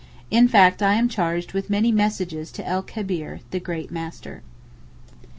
In fact I am charged with many messages to el Kebir (the great master).